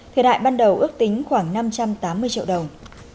thời đại ban đầu ước tính khoảng năm trăm tám mươi triệu đồng